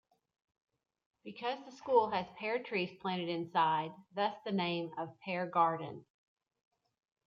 Because the school has pear trees planted inside, thus the name of "pear garden".